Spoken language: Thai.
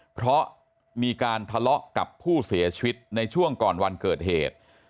เพราะมีการทะเลาะกับผู้เสียชีวิตในช่วงก่อนวันเกิดเหตุ